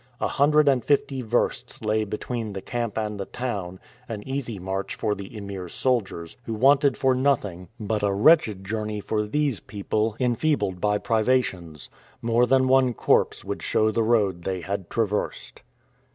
A hundred and fifty versts lay between the camp and the town an easy march for the Emir's soldiers, who wanted for nothing, but a wretched journey for these people, enfeebled by privations. More than one corpse would show the road they had traversed.